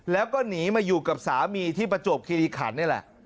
แล้วก็หนีมาอยู่กับสามีที่ประจวบคิริขันนี่แหละ